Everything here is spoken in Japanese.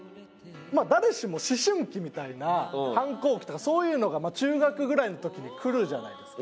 誰しも思春期みたいな反抗期とかそういうのが中学ぐらいの時にくるじゃないですか。